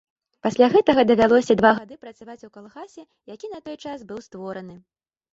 Пасля гэтага давялося два гады працаваць у калгасе, які на той час быў створаны.